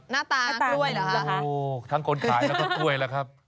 หน้าตากล้วยรึคะโอ้ทั้งคนขายก็ต้วยแหละครับ